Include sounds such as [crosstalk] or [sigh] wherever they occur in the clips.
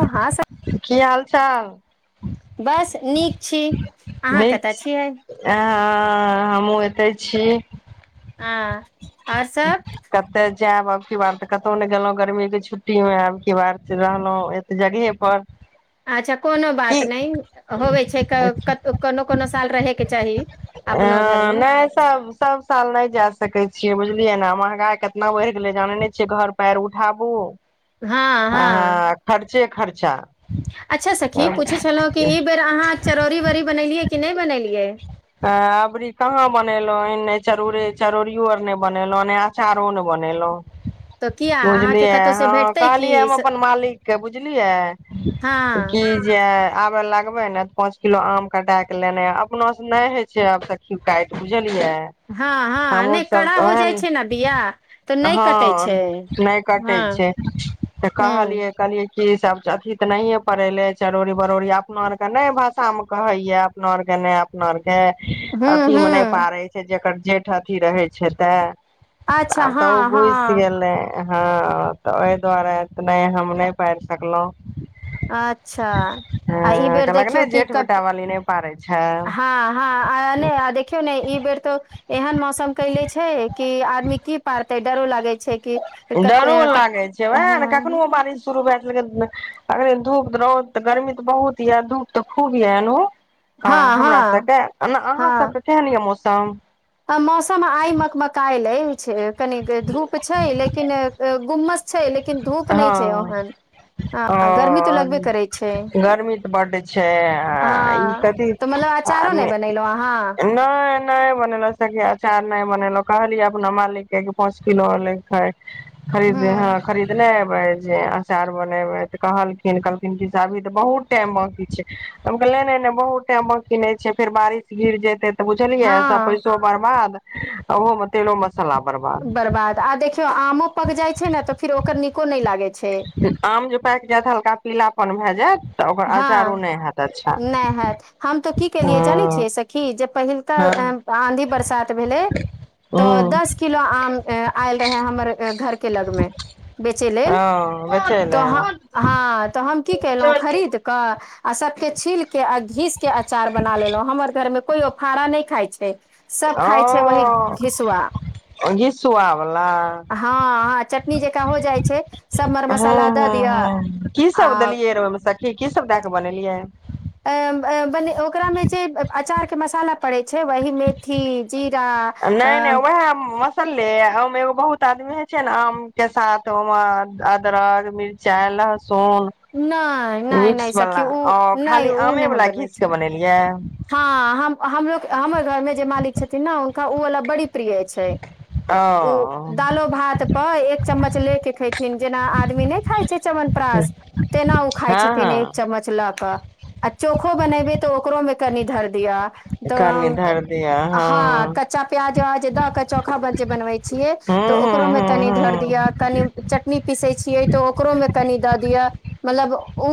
हँ सर की हाल चाल बस छी अहाँ कतय नीक छी छियै आ हमहु एतय छी हँ आओर सब कतय जायब आब की बार तऽ कतहु ने गेलो गर्मी के छुट्टी में आब की बार रहलो एत जगहे पर अच्छा कोनो बात की अ नहि होवै छै कोनो कोनो साल रहयके चाही ह अपनो घरमे नहि सब सब साल नहि जा सकै छियै बुझलियै ने महगा केितना बढ़ि गेलै जाने छियै घर पयर उठाबू हँ हँ से खर्चा अच्छा सखी पूछै छलहुँ कि ई बेर अहाँ चरौरी वरी बनेलियै कि नहि बनेलियै ह अबरी कहाँ बनेलो नय चरोरे चरौरियो आर नय बनेेलौ ने अचारो ने बनेेलऊ तत बुझलियै हँ कहलियै हम अपन मालिकके बुझलियै हँ की जे आब लगबे ने तऽ पाँंच किलो आम कटा के लेने अपना से न नहि होय छै आब सखी काटि बुझल लिय हँ हँ नहि हमहूँसभ कड़ा तऽ हो जाइ ओहन छै ने बिया तऽ नहि कटै छै हँ नहि कटै हँ छै त ह कहलियै कहलियै कि सब अथी ते नहिये पड़ेेले चरौड़ी बरौरी अपना आर के नय भाषा में कहेये अपना आर के ने अपना आर के ह अथी ह मे नहि पारय छै जेकर जेठ अथी रहै छै तऽ अच्छा आब तऽ ओ हँ घुइस हँ गेलै हँ तऽ ओहि दुआरे नहि हम नहि पारि सकलहुँ अच्छा हँ आ ई बेर कहलक ने देखियौ कि जेठ कब बेटा वाली नहि पारै छै हँ हँ आनय देखियौ ने ई बेर त एहन मौसम कले छैय कि आदमी की पारतय डरो लागय छैय। डरो लागै छैय उएह ने कखनो बारिश शुरू भए गेल। अगरे धूप रौत तऽ गर्मी तऽ बहुत य धूप तऽ खूब य एनहो। हँ हमरा सबके ओना हँ अहाँसभके केहन यए मौसम आ मौसम आइ मकमकइल यै छै कनी धूप छै लेकिन गुम्मस छै लेकिन धूप नहि छै हँ ओहन ह ओ गर्मी तऽ लगबे करै छै गर्मी तऽ बड्ड छै आ हँ ई कथी तऽ मतलब अचारो नहि आमे बनेलहुँ अहाँ नय नय बनेलो सखि अचार नय बनेलो कहलियै अपना मालिक के पांच किलो और ले के खायी खरीदने हँ हूँ खरीदने यैब आचार बनेबै तऽ कहलखिन कहलखिनसे अभी तऽ बहुत टाइम बाकी छै हम कहलिय नय नय नय बहुत टाइम बाकि नै छै फेर बारिश गिर जेते तऽ बुझलियै सब हँ पैसो बरबाद ओहो मे तेलो मसाला बर्बाद आ देखियौ आमो पक जाइ छै ने तऽ फिर ओकर नीको नहि लागै छै आम जे पाकि जायत हल्का पीलापन भए जायत तऽ ओकर अचारो हँ नहि हैत अच्छा नहि हैत हम तऽ की केलियै जानै हँ छियै सखी जे पहिल तऽ हँ आँधी बरसात भेलै तऽ हँ दस किलो आम आयल रहे हमर घरके लगमे बेचै लेल बेचै तो लए हँ हाँ तऽ हम की केलहुँ खरीद के आ सबके छील के आ घीस के अचार बना लेलहुँ हमर घर मे कोयो फाड़ा नहि खाइ छैय सब खााय छैय वही ओ घिसवा। घिसुआ वला हँ हँ चटनी जेकाँ हो जाइ छैय सभ मर हँ मसाला दऽ हँ दिअ हँ की सब आ देलियै र ओहिमे सखी की सब दए क बनेलियै? अ अब ओकरामे जे अचार के मसाला पड़ैत छैय वही मेथी जीर नय नय उएह मस्त सनलै ओहिमे एगो बहुत आदमी होइ छैय ने आमके साथ ओहिमे अदरक मिरचाइ लहसुन नय नय मिक्स नय वाला सखी ओ नय खाली ओ आमे नय हम वाला बनबै घीस के छी। बनेलियै हँ हम हमो हमर घरमे जे मालिक छथिन ने हुनका ओवला बड़ी प्रिय छैय ओ दालो भात पर एक चम्मच ले के खेथिन जेना आदमी नय खाय छैय। चमनप्रास तेना ओ खाइ हँ छथिन हँ एक चम्मच लऽ कऽ। आ चोखो बनेबै तो ओकरोमे कनी धर दिया। कनि त धरि दिअ हँ कच्चा प्याज व जे द क चोखा जे बनबय छियै हूँ त ओकरो हूँ में हूँ तनी धर हूँ दिऔ कनी चटनी पीसै छियै त ओकरो मे कनि द दिअ मतलब ओ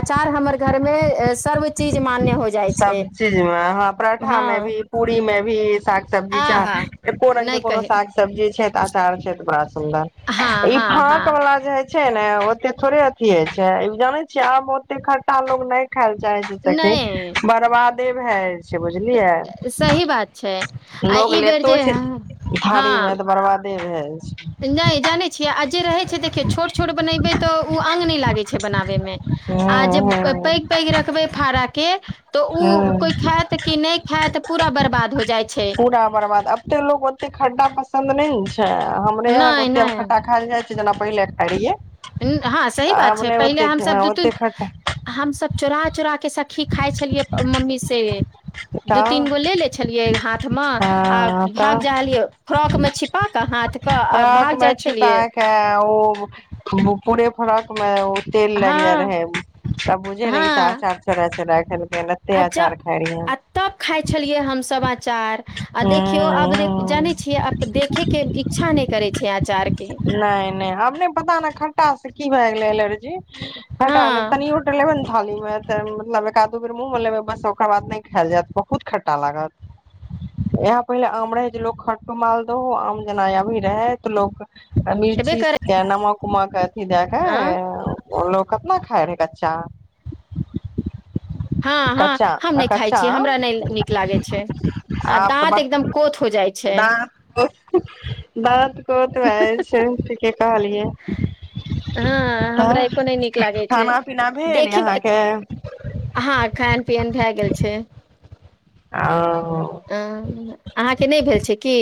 अचार हमर घर मे सर्व चीज मान्य हो जाइ छै सब चीज मे हँ पराठा हँ में भी पूरी में भी साग सब्जी आहा छैय एको रंग के नहि कोनो कही साग सब्जी छैय त अचार छैय बड़ा सुन्दर हँ ई हँ हँ [unintelligible] छैय ने ओते थोड़े अथी हय छैय ई जाने छियै आब ओते खटटा लोग नहि खाय ले चाही जैस कि नहि बरबादे भए बुझलियै सही बात छै आ लोग ई बेर लेतो जे छैय भारी मे हँ तऽ बरबाद से भेल नहि जानै छियै आ जे रहै छैय देखियौ छोट छोट बनेबै तऽ ओ अङ्ग नहि लागै छैय बनाबैमे। छै आ हूं जे हूं पैघ पैघ रखबै फड़ा के तऽ ओ कोइ हूं खायत कि नहि खायत पूरा बर्बाद हो जाइ छैय। पूरा बर्बाद अब ते लोग ओते खड्डा पसन्द ने ने छैय हमरे यहा के नहि ओते खड्डा नहि खायल जाय छैय जेना पहिले खाय रहिये। हँ सही बात छैय पहिले हमसभ दू ओते तीन खट हमसभ चोराह चोरा के सखी खाइ छलियै मम्मी से। दू खटाउ तीन गो ले ले छलियै हाथ मे आ हँ भाग जायै फ्रॉक मे छिपा कऽ हाथ क आ भाग फ्राकमे जाइ छलियै छिपाकै आ ओ पूरे फरक में ओ तेल हँ लागग जाय रहे बुझे रहे त हँ अचार चोरा चरा लत्ते आ ज आचार खाय रहिया आ तब खाइ छलियै हमसभ अचार आ ह देखियौ आब देख हू जानै छियै आब देखेके इच्छा नहि करै छै अचारके नहि नहि अपनहि पता नहि खटा की भए गेलै एलर्जी हँ हटा लेब तनि उट लेबै ने थाली मे त मतलब एक दू बेर मुँहमे लेबै बस ओकर बाद नहि खायल जायत बहुत खट्टा लागत। यहाँ पहिले आम रहै जे लोग खरटो माल दो आम जेना या भी रहै तो लोग हेबे मिर्ची करै के नमक उमक अथी दक हँ बोलो कितना खााय रहे कच्चा आम। हँ हँ कच्चा हम आ नहि खाइ कच्चा छियै हमरा नहि नीक लागै छै आ आम तऽ दाँत बस एकदम कोथ हो जाइ छै दाँत [unintelligible] दाँत [unintelligible] छैय ठीके कहलियै। हँ हमरा तब एको नहि नीक लागै छै खाना पीना भेल देखी यहाँके? हँ खायन पियन भए गेल छैय। आ अहाँके नहि भेल छै की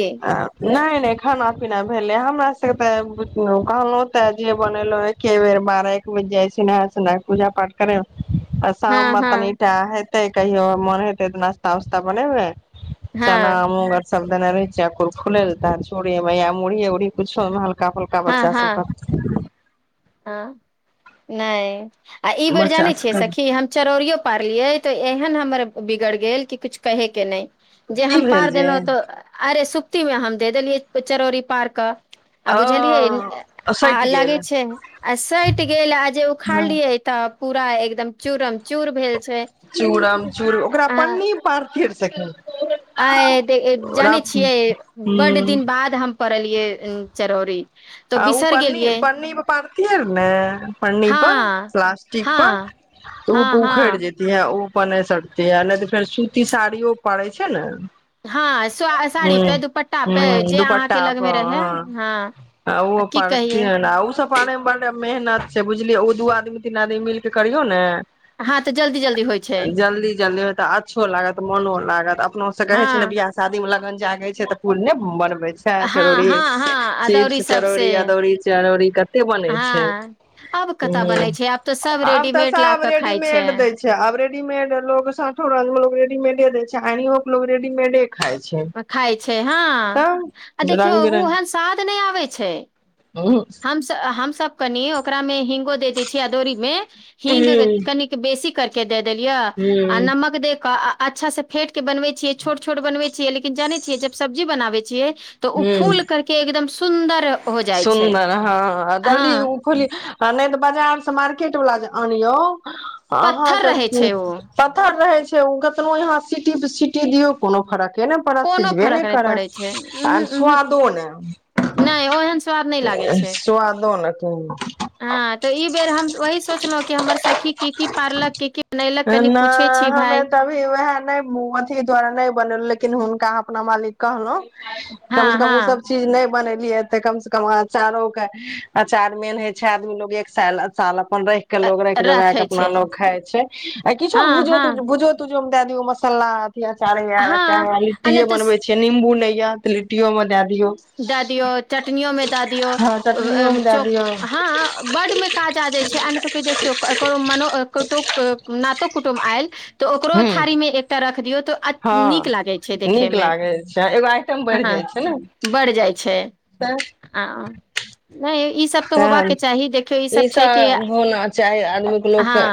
नहि नहि एखन पीना भेले हमरा सब के ते बुलंदियों कहलो त जे बनेलो एके बेर बारह एक बेज जाय नहाय सुनाय पूजा पाठ करै मे। आ हँ शाममे हँ तनिटा हेतै कहियो मोन हेतै तऽ नाास्ता उस्ता बनेबै। चना हँ मुंग सब देने रहै छियै फूलै लेल तै चूरे मे या मुड़ही उड़ ही किछो मे हल्का फल्का हँ बच्चा हँ सबका हँ नहि आ ई बेर बच्चा जानै छियै सखी सबके हम चरौरियो पारलियै तऽ एहन हमर बिगड़ गेल कि कुछ कहे के नहि जे हम की भेल पार जे देलहुँ तऽ अरे सुप्ती मे हम दे देलियै चरौड़री पार के आ बुझलियै ओ आ सटि गेल अलगे छै आ सटि गेल आ जे उखाड़लियै तऽ पूरा एकदम चूरम चूर भेल छै चूड़म चूड़ ओकरा पन्नी पार फिर सकी आ जानै छियै बड्ड हूँ दिन बाद हम परलियै चरौरी तो आ ओ बिसर पन्नी गेलियै पन्नी पर पड़ती ह ने पन्नी हँ पर प्लास्टिक हँ पर तऽ ओ हँ पो हँ उखड़ जेती है ओ अपनने सते नहि तऽ फेर सूती साड़ियो पड़ै छै ने हँ स साड़ी हूं पे दुपट्टा पे हूं जे अहाँके दुपट्टा लगमे रहय पर हँ ओ आ की पर कहियै ओस पारै मे मेहनत छै बुझलियै ओ दू आदमी तीन आदमी मिलके करियौ ने हँं तऽ जल्दी जल्दी होइ छै तऽ अच्छो लागत मोनो लागत अपनो से हँ कहे छै ने बियाह शादी मे लगन जागे छै ते पूल ने बन बै छै हँ चरौरी हँ हँ आ चिप्स दौरी सबसे चरौड़ी अदौरी चरौरी कते बनै छै हँ आब कतऽ बनै छै आब तऽ सब आब तऽ रेडीमेड ला सब कऽ खाइ छै रेडीमेड दै छै आब रेडीमेड लोग साठो राज म लोग रेडीमेडे दे छै अनियो के लोग रेडीमेडे खाइ छै खााय छै हँ आ तऽ देखियौ रंग ओहन साद नहि आबे छै बिरंग हम सब हम सब कनि ओकरा मे हिंग हिगो दैत छी अदौरी मे हींग हूँ कनिक बेसी करके दे देलिय आ हूँ नमक दे के अच्छा से फेट के बनवे छीयै छोट छोट बने छियै छिय लेकिन जानै छियै जब सब्जी बनाबै छियै तऽ ओ हूँ फूल करके एकदम सुन्दर हो जाइ छै सुन्दर हँ जल्दी ओ खोल ह नहि तऽ बजार से मार्केट वाला जे अनियौ पत्थर अहाँके रहै छै ओ पतर रहै छै कतनो आहाँ सिटी पर सिटी दियो कोनो फरके फरके नय पड़त कोनो सिझबे फरक नहि करत पड़ै छै आ उहूं कोनो उहूं स्वादो नइ नहि ओहन स्वाद नय लागे छै [unintelligible] हँ तऽ ई बेर हम वही सोचलहुँ कि हमर सखी की की पारलक कि की बनैलक कनि न पूछै छी हमे भाय तभी वएह नहि अथी द्वारा नहि बनेलौं लेकिन हुनका अपना मालिक कहलहु हँ कम से कम ओ सब हँ चीज नय बनेलियै तऽ कम से कम अचारो के अचार मेन होय छै आदमी लोग एक साल अचार ल अपन रैख के लोग रैख जोगा के रखै अपना छै लोग खााय छै आ किछो हँ भुजय तुजै हँ भुजय म दे दियै मसाला आ अथि अचार वै हँ चाहे आ नहि लिटये तऽ बनबै छै निबू नय त लिटियो म दे दए दियौ चटनियोमे दए दियौ हँ चटनियो मे दए चो दियौ हँ हाँ बर्ड मे काजा छै आ नहि तऽ देखियौ ककरो मनो कतोक के नतो कुटुम आयल तऽ ओकरो हुँ थारी मे एकटा रख दियौ तऽ अ नीक हँ लागे छै देखे मे अ त खेलोअ बढ़ि जाइ छै ह तहन देखियौ ई सब छै कि ईसभ होना चाही आदमीके लोक हँ क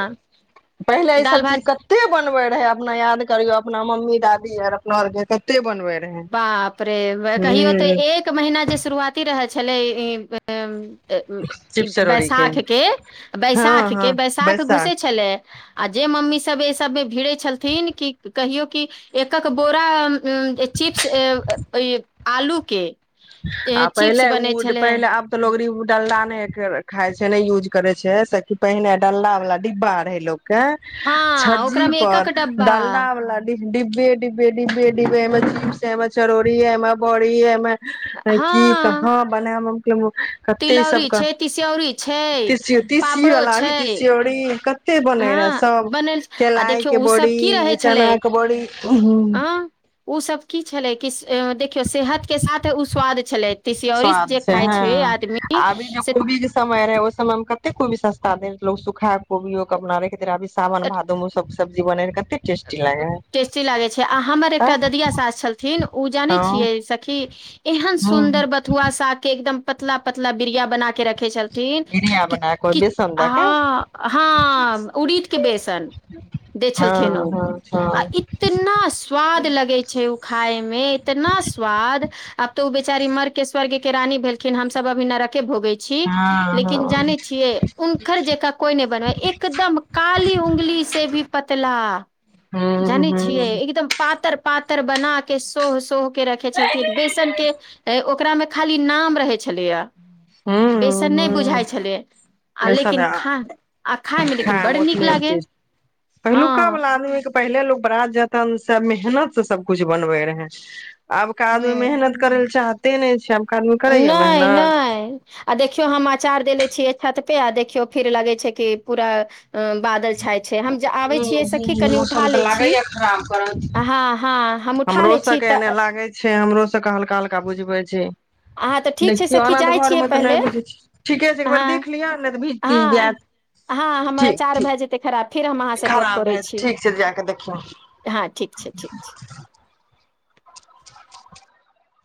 पहिले ई दालि सब भात चीज कते बनबे रहे अपना याद करियो अपना मम्मी दादी आर अपना आर के कते बनवे बाप रे कहियो तऽ एक महिना जे शुरुआती रहै छै भेलै इ बे चिप्स चरौड़ी बैसाख के हँ बैसाख हँ के बैसाख घुसे छलै आ जे मम्मी सब एहि सबमे भिड़े छलथिन कि कहियो कि एकक बोरा चिप्स ऐ अइ आलू के अ, आ चिप्स पहिले बनै उड छलै पहिले आब त लोग रियुड डल नहि खााय छै न यूज करे छै सब कि पहिने डला वाल डिब्बा रहे लोग क रहै हँ छज्जी ओकरामे एकक पर डब्बा डालडा वाला डि डब्बे डब्बे डब्बे डब्बे एमे चीप्स छै एमे चरौरी ये एमे बरी ये एमे की हँ कहाँ बनैब हम केलै कते ई सब तिलौरी क छै तिसियौरी छै तीसीयो तीसी पापड़ो वाला अभी छै तीसियोरी कते बने हँ रहे सभ बनल आ देखियौ केलायके ओ सब की रहै बड़ी छलै चनाक के बड़ी हू अं ओसभ की छलै कि देखियौ सेहत के साथ उ स्वाद छलै तिसियौरी स्वाद जे से खाइ छै हँ आदमी अभी जो से कोबी के समा समय रहै ओहि समय मे कते कोबी सस्ता दै सुखा कोबियो क अपना राख दे रहै अभि सावन भादो म उ सब सबजी बनै रहै टेस्टी लागैत छै आ हमर है एकटा ददिया सास छलथिन उ जानै हँ छियै सखी एहन हँ सुंन्दर बथुआ शाग के एकदम पतला पतला बिरिया बना के रख रखै छलखिन बिरिया कि बना कऽ कि बेसन दऽ कऽ ह हँ उड़ीद के बेसन दे छलथिन ओ [unintelligible] आ इतना स्वाद लगै छै उ खाय मे इतना स्वाद आब तो उ बेचारी मर के स्वर्ग के रानी भेलखिन हमसब अभी नरक के भोगै छी लेकिन हँ हँ जानै छियै उनखर जकाँ कोइ नहि बनबै एकदम काली उंगली से भी पतला हँ जानै छियै हूँ हूँ एकदम पा पातर पातर बना के सोह सोह के रखे छलथिन बेसन के ओकरा मे खाली नाम रहै छलैय हूँ बेसन नहि हूँ बुझाइ छलै आ बेसन लेकिन खा आ खायमे लेकिन बड्ड नीक लागै पहिलूका बला आदमी क पहिले लोक बरा जेतन से मेहनत से सबकुछ बनबे रहै आबका आदमी मेहनत हूँ करै लए चाहते नहि छै आबका आदमी करैया नहि मेहनत नहि आ देखियौ हम अचार देेले छियै छत पे आ देखियौ फिर लगै छै कि पूरा बादल छाय छै हम जे आबै हूं छियै सखी हूं कनि उठा मौसम तऽ लै छी लागैया खराब करत हँ हँ हम उठा हमरो लै छी सबके एने तऽ लागे छै हमरो सबके हल्का हल्का बुझबै छै अहाँ तऽ ठीक छै देखियौ सखी अना जाइ तऽ छियै घरमे तऽ नहि पहिले बुझै छि ठीके छै एकबर हँ देख लिय‌ नहितऽ भीज तीज हँ जायत हँ हमर ठीक अचार भए जेतै खराब फेर हम ठीक अहाँसँ गप खराब करै भैय जेते छी ठीक छै जाकऽ देखियौ हँ ठीक छै ठीक छै